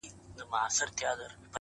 شعر اوس دومره کوچنی سوی دی ملگرو _